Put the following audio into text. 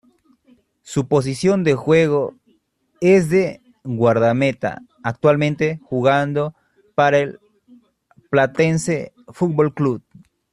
Su posición de juego es de guardameta, actualmente jugando para Platense Fútbol Club.